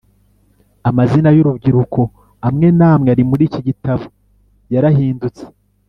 Amazina y urubyiruko amwe n amwe ari muri iki gitabo yarahindutse